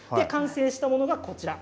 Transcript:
完成したものがこちら。